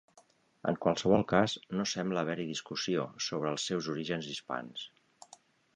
En qualsevol cas no sembla haver-hi discussió sobre els seus orígens hispans.